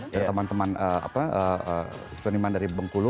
dari teman teman apa peniman dari bengkulu